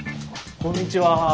こんにちは。